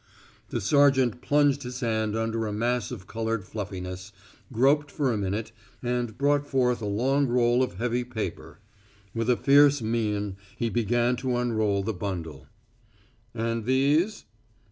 The sergeant plunged his hand under a mass of colored fluffiness, groped for a minute, and brought forth a long roll of heavy paper. With a fierce mien, he began to unroll the bundle. "And these?"